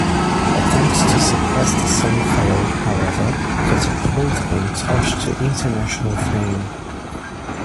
Attempts to suppress the song failed, however, catapulting Tosh to international fame.